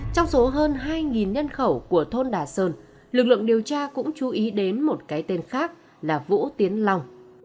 trong số hơn hai nhân khẩu của thôn đà sơn lực lượng điều tra cũng chú ý đến một cái tên khác là vũ tiến long